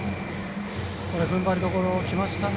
ふんばりどころきましたね。